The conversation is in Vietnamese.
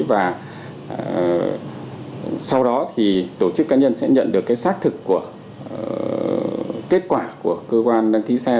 và sau đó thì tổ chức cá nhân sẽ nhận được cái xác thực của kết quả của cơ quan đăng ký xe